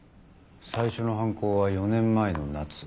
最初の犯行は４年前の夏。